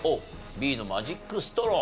Ｂのマジックストロー。